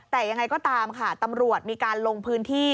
แต่ยังไงก็ตามค่ะตำรวจมีการลงพื้นที่